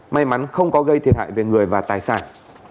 may mắn không có gây thiệt hại về người và tài sản